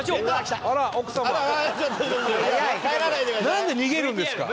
なんで逃げるんですか？